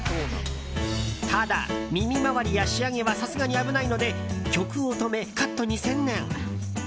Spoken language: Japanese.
ただ、耳周りや仕上げはさすがに危ないので曲を止め、カットに専念。